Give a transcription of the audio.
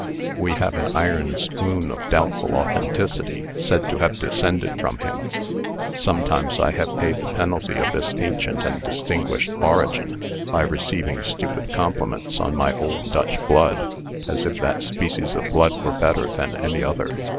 We have an iron spoon of doubtful authenticity, said to have descended from him. Sometimes I have paid the penalty of this ancient and distinguished origin, by receiving stupid compliments on my old Dutch blood, as if that species of blood were better than any other.